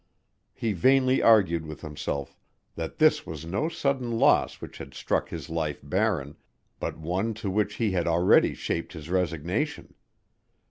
He vainly argued with himself that this was no sudden loss which had struck his life barren, but one to which he had already shaped his resignation.